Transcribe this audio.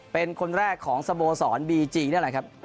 เป็นคนแรกของสโมสรบีจีนี่แหละครับ